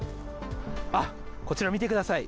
あっ、こちら見てください。